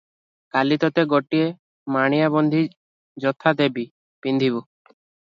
କାଲି ତୋତେ ଗୋଟାଏ ମାଣିଆବନ୍ଧି ଜଥା ଦେବି, ପିନ୍ଧିବୁ।